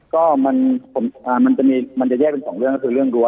ก็มันอ่ามันจะมีมันจะแยกเป็นสองเรื่องก็คือเรื่องรั้ว